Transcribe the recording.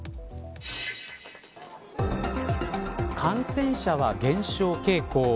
感染者は減少傾向。